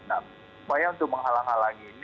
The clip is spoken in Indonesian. nah upaya untuk menghalang halangi ini